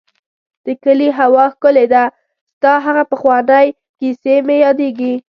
د کلي هوا ښکلې ده ، ستا هغه پخوانی کيسې مې ياديږي.